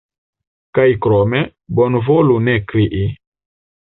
Kaj krome, bonvolu ne krii.